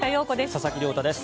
佐々木亮太です。